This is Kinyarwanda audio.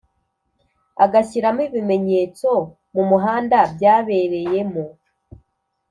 agashyiraho ibimenyetso mumuhanda byabereyemo